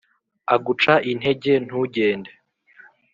Aguca intege ntugende